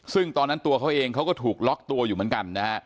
ซึ่งตอนนั้นตัวเขาเองเขาก็ถูกล็อกตัวอยู่เหมือนกันนะฮะ